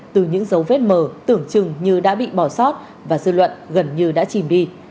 từ những dấu vết mờ tưởng chừng như đã bị bỏ sót và dư luận gần như đã chìm đi